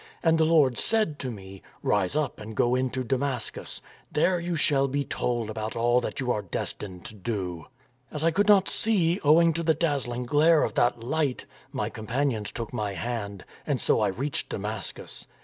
" And the Lord said to me, ' Rise up and go into Damascus; there you shall be told about all that you are destined to do.' " As I could not see ov.^ing to the dazzling glare of that light, my companions took my hand, and so I reached Damascus.